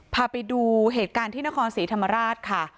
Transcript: พาไปดูเหตุการณ์ที่นครศรีธรรมราชค่ะ